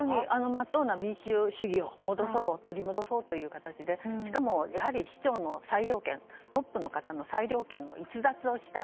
まっとうな民主主義を取り戻そうという形でしかも市長の裁量権トップの方の裁量権の逸脱をした。